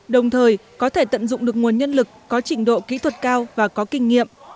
đồng thời có thể tận dụng được nguồn nhân lực có trình độ kỹ thuật cao và có kinh nghiệm